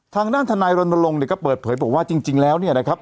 ทางด้านทนายรณรงค์เนี่ยก็เปิดเผยบอกว่าจริงแล้วเนี่ยนะครับ